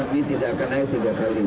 ini tidak akan naik tiga kali